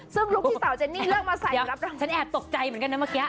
ซึ่งลุคที่สาวเจนนี่เลือกมาใส่รับหลังฉันแอบตกใจเหมือนกันนะเมื่อกี้